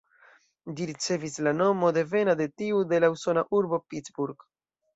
Ĝi ricevis la nomo devena de tiu de la usona urbo Pittsburgh.